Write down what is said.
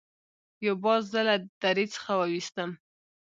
یو باز زه له درې څخه وویستم.